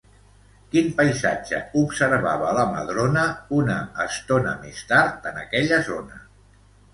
Quin paisatge observava la Madrona una estona més tard en aquella zona?